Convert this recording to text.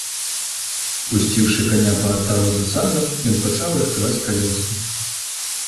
Пусціўшы каня па атаву за садам, ён пачаў рыхтаваць калёсы.